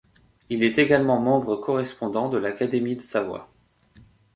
Il est également membre correspondant de l'Académie de Savoie.